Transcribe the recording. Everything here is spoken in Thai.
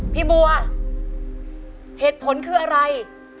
พี่บัวเหตุผลคืออะไร